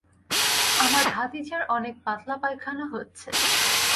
আমার ভাতিজার অনেক পাতলা পায়খানা হচ্ছে।